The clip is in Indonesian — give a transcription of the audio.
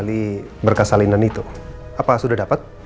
itu apa sudah dapat